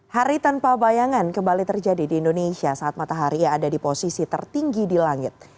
hari tanpa bayangan kembali terjadi di indonesia saat matahari ada di posisi tertinggi di langit